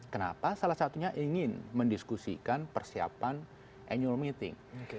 kenapa salah satunya ingin mendiskusikan persiapan annual meeting